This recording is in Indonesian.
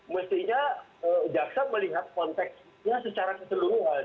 mestinya jaksa melihat konteksnya secara keseluruhan